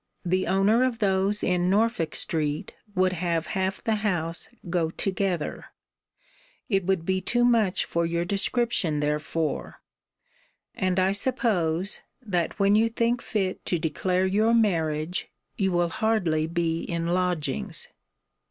The owner of those in Norfolk street would have half the house go together. It would be too much for your description therefore: and I suppose, that when you think fit to declare your marriage, you will hardly be in lodgings.